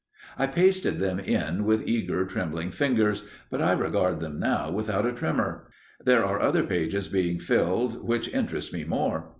I pasted them in with eager trembling fingers, but I regard them now without a tremour. There are other pages being filled which interest me more.